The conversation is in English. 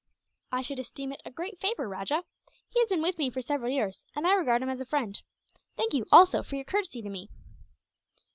"I should esteem it a great favour, Rajah. He has been with me for several years, and I regard him as a friend. Thank you, also, for your courtesy to me."